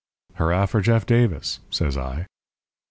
"'Hurrah for Jeff Davis!' says I.